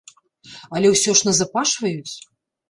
Але ўсё ж назапашваюць.